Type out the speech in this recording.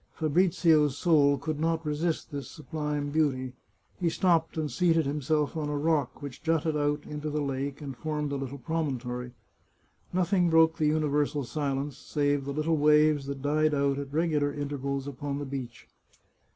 Fabrizio's soul could not resist this sublime beauty; he stopped and seated himself on a rock which jutted out into the lake and formed a i6i The Chartreuse of Parma little promontory. Nothing broke the universal silence, save the little waves that died out at regular intervals upon the beach.